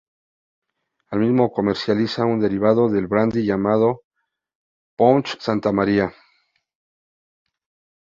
Así mismo, comercializa un derivado del brandy llamado Ponche Santa María.